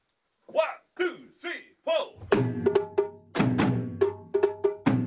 ワンツースリーフォー！